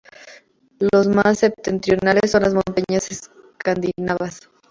Las más septentrionales son las montañas escandinavas.